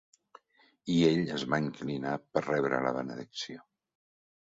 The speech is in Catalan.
' I ell es va inclinar per rebre la benedicció.